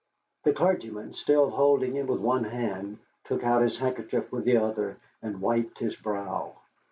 The clergyman, still holding him with one hand, took out his handkerchief with the other and wiped his brow.